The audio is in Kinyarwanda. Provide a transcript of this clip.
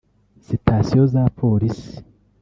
sitasiyo za polisi